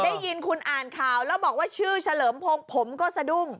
ได้ยินคุณอ่านข่าวแล้วบอกว่าชื่อเฉลิมพงศ์ผมก็สะดุ้ง